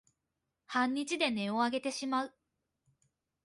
半日で音をあげてしまう